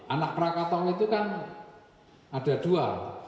anak krakatau itu kan ada dua